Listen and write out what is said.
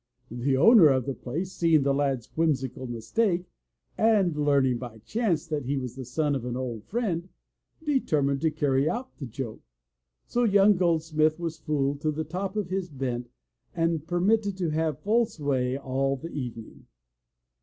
The owner of the place, seeing the lad's whimsical mistake, and learning, by chance, that he was the son of an old friend, determined to carry out the joke. So young Goldsmith was fooled to the top of his bent and permitted to have full sway all the evening.